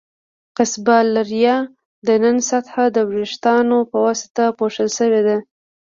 قصبة الریې د ننه سطحه د وېښتانو په واسطه پوښل شوې ده.